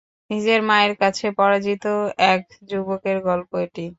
নিজের মায়ের কাছে পরাজিত এক যুবকের গল্প এটি।